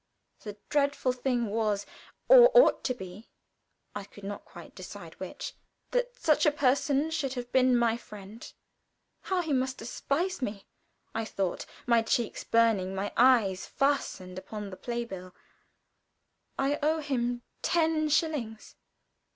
The dreadful thing was, or ought to be I could not quite decide which that such a person should have been my friend. "How he must despise me!" I thought, my cheeks burning, my eyes fastened upon the play bill. "I owe him ten shillings.